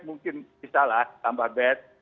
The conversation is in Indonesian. mungkin bisa lah tambah bed